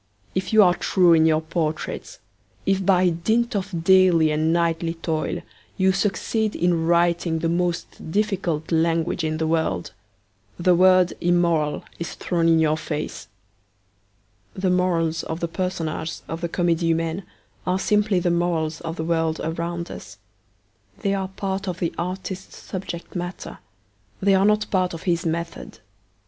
If you are true in your portraits, if, by dint of daily and nightly toil, you succeed in writing the most difficult language in the world, the word immoral is thrown in your face.' The morals of the personages of the Comedie Humaine are simply the morals of the world around us. They are part of the artist's subject matter; they are not part of his method.